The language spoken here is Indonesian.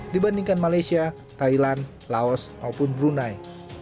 dibandingkan malaysia thailand laos maupun brunei